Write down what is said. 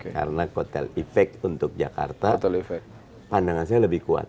karena kotel ipek untuk jakarta pandangannya lebih kuat